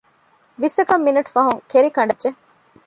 ވިއްސަކަށް މިނެޓު ފަހުން ކެރިކަނޑައިގެން ހިނގައްޖެ